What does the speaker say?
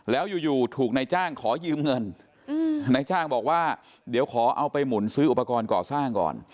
แล้วอยู่ถูกนายจ้างขอยืมเงินนายจ้างบอกว่าเดี๋ยวขอเอาไปหมุนซื้ออุปกรณ์ก่อสร้างก่อน